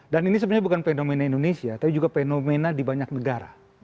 ini sebenarnya bukan fenomena indonesia tapi juga fenomena di banyak negara